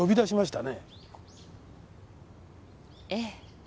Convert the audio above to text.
ええ。